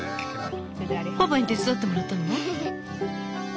パパに手伝ってもらったの？